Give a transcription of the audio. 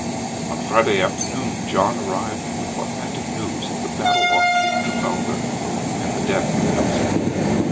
On Friday afternoon John arrived with authentic news of the battle off Cape Trafalgar, and the death of Nelson.